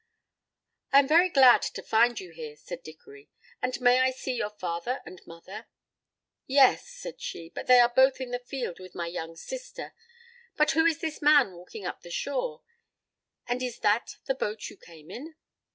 "I am very glad to find you here," said Dickory, "and may I see your father and mother?" "Yes," said she, "but they are both in the field with my young sister. But who is this man walking up the shore? And is that the boat you came in?"